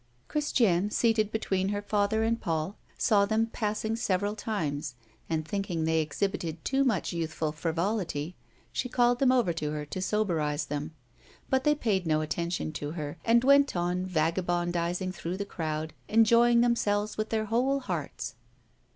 Christiane, seated between her father and Paul, saw them passing several times, and thinking they exhibited too much youthful frivolity, she called them over to her to soberize them. But they paid no attention to her, and went on vagabondizing through the crowd, enjoying themselves with their whole hearts.